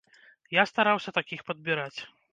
Я стараўся такіх падбіраць.